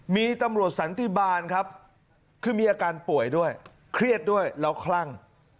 มีตำรวจสันติบาลครับคือมีอาการป่วยด้วยเครียดด้วยแล้วคลั่ง